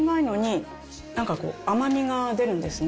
なんかこう甘みが出るんですね。